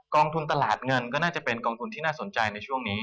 องทุนตลาดเงินก็น่าจะเป็นกองทุนที่น่าสนใจในช่วงนี้